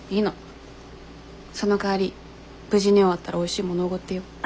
そのかわり無事に終わったらおいしいものおごってよ。